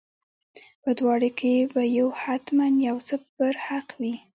په دواړو کې به یو حتما یو څه پر حق وي.